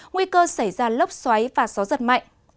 nguy cơ xảy ra lốc xoáy và gió giật mạnh